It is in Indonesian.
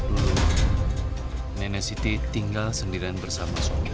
lalu nenek siti tinggal sendirian bersama sokir